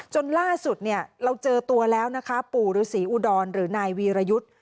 จนล่าสุดเนี่ยเราเจอตัวแล้วนะคะปู่ฤษีอุดรหรือนายวีรยุทธ์